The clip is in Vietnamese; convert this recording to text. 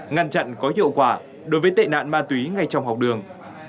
ngăn chặn có hiệu quả đối với tệ nạn ma túy ngay trong học đường